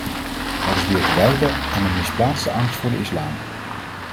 Dat is weer te wijten aan een misplaatste angst voor de islam.